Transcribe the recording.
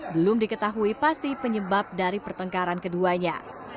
belum diketahui pasti penyebab dari pertengkaran keduanya